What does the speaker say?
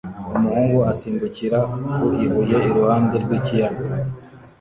Umuhungu asimbukira ku ibuye iruhande rw'ikiyaga